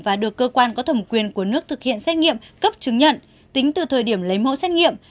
và được cơ quan có thẩm quyền của nước thực hiện xét nghiệm cấp chứng nhận tính từ thời điểm lấy mẫu xét nghiệm